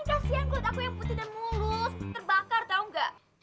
ini kasihan buat aku yang putih dan mulus terbakar tau gak